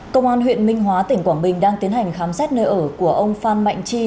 công an huyện minh hóa tỉnh quảng bình đang tiến hành khám xét nơi ở của ông phan mạnh chi